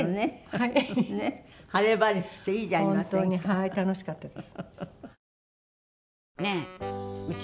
はい楽しかったです。